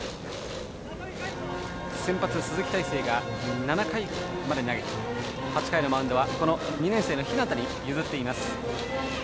先発、鈴木泰成が７回まで投げて８回のマウンドは２年生の日當に譲っています。